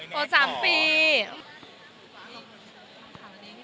โทษ๓ปี